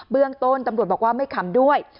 เรื่องต้นตำรวจบอกว่าไม่ขำด้วย